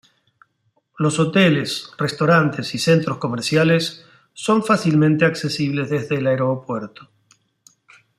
Los hoteles, restaurantes y centros comerciales son fácilmente accesibles desde el aeropuerto.